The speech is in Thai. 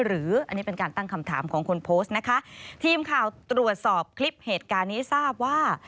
หรืออันนี้เป็นการตั้งคำถามของคนโพสต์นะคะทีมข่าวตรวจสอบคลิปเหตุการณ์นี้ทราบว่า